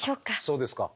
そうですか。